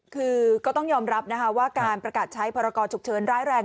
คือก็ต้องยอมรับนะคะว่าการประกาศใช้พรกรฉุกเฉินร้ายแรง